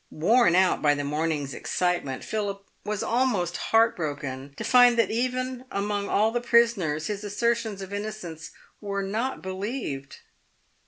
"Worn out by the morning's excitement, Phil was almost heart broken to find that even among all the prisoners his assertions of innocence were not believed.